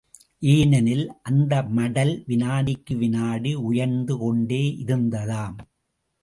ஏனெனில், அந்த மடல், விநாடிக்கு விநாடி உயர்ந்து கொண்டே இருந்ததாம்.